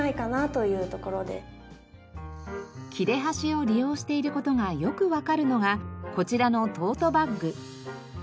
切れ端を利用している事がよくわかるのがこちらのトートバッグ。